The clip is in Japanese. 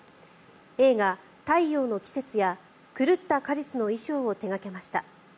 映画「太陽の季節」や「狂った果実」の衣装を手掛けました。